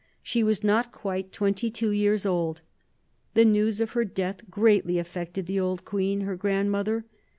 She was not quite twenty two years old. The news of her death greatly affected the old queen, her grandmother.